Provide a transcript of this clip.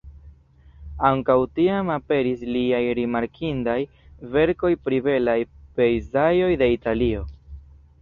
Ankaŭ tiam aperis liaj rimarkindaj verkoj pri belaj pejzaĝoj de Italio.